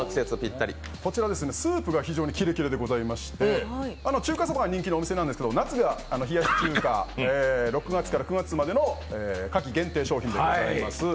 こちらスープが非常にキレキレでございまして中華そばが人気のお店なんですけど、夏は冷やし中華、６月から９月までの夏季限定商品でございます。